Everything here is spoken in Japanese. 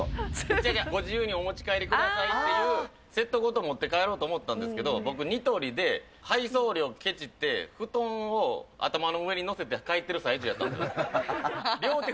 いやいや、ご自由にお持ち帰りくださいっていう、セットごと持って帰ろうと思ったんですけど、僕、ニトリで配送料ケチって、布団を頭の上に載せて帰ってる最中やったんです。